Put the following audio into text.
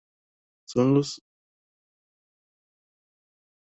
Son de los corales marinos más populares y solicitados en acuariofilia.